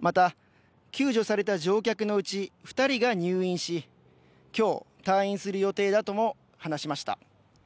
また救助された乗客のうち２人が入院し、今日、退院する予定だとも話しました。